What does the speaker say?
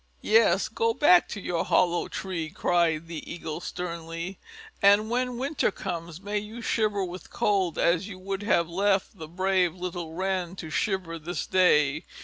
"Yes, go back to your hollow tree," cried the Eagle sternly; "and when winter comes may you shiver with cold as you would have left the brave little Wren to shiver this day.